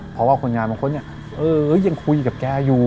เพราะว่าคนยาบางคนยังคุยกับแกอยู่